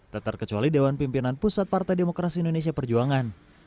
tak terkecuali dewan pimpinan pusat partai demokrasi indonesia perjuangan